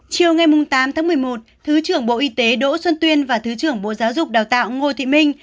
chiều ngày tám tháng một mươi một thứ trưởng bộ y tế đỗ xuân tuyên và thứ trưởng bộ giáo dục đào tạo ngô thị minh